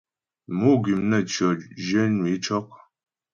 Mò gwìm naə́tʉɔ̂, zhwyə̂nwə é cɔ́'.